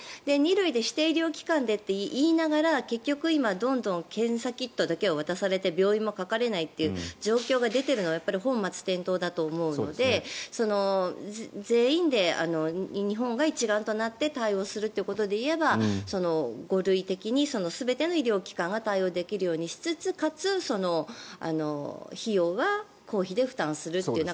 ２類で指定医療機関でって言いながら結局今、どんどん検査キットだけを渡されて病院もかかれない状況が出ているのは本末転倒だと思うので全員で日本が一丸となって対応するっていうことでいえば５類的に全ての医療機関が対応できるようにしつつかつ費用は公費で負担するという